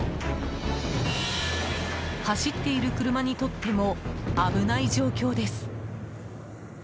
走っている車にとっても危ない状況です。